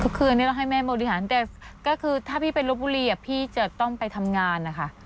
คืนนี้เราให้แม่บริหารแต่ก็คือถ้าพี่ไปลบบุรีพี่จะต้องไปทำงานนะคะ